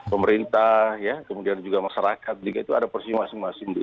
pemerintah kemudian juga masyarakat juga itu ada porsi masing masing